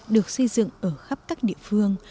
được xây dựng ở khắp các địa phương